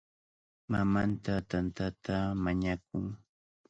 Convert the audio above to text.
Mamanta tantata mañakun.